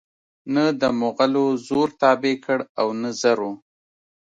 نه دمغلو زور تابع کړ او نه زرو